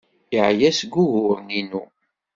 Yeɛya seg wuguren-inu.